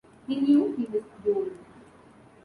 He knew he was doomed.